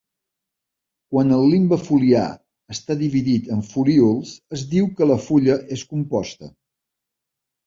Quan el limbe foliar està dividit en folíols es diu que la fulla és composta.